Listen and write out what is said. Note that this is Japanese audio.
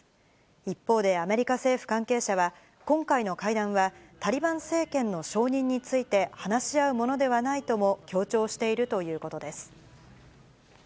一方で、アメリカ政府関係者は、今回の会談は、タリバン政権の承認について話し合うものではないとも強調しているということです。